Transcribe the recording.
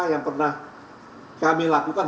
yang pernah kami lakukan